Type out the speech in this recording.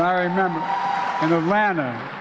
dan saya ingat di atlanta